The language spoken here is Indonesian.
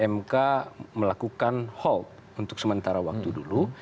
mk melakukan hold untuk sementara waktu dulu